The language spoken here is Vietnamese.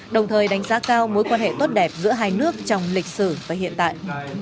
đồng thời đánh giá cao mối quan hệ tốt đẹp giữa hai nước trong lịch sử và hiện tại